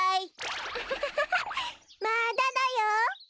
アハハハハまだだよ。